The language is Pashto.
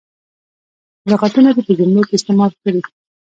لغتونه دې په جملو کې استعمال کړي.